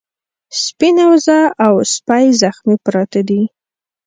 سپينه وزه او سپی زخمي پراته دي.